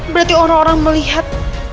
berarti orang orang melihat